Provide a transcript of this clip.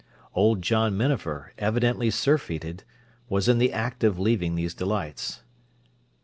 Old John Minafer, evidently surfeited, was in the act of leaving these delights.